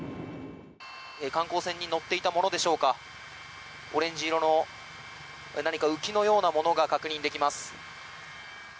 観光船に乗っていたものでしょうかオレンジ色の何か浮きのようなものが確認できます。